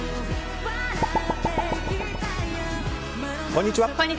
こんにちは。